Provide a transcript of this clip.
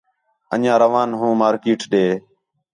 اَنڄیاں روان ہوں مارکیٹ ݙے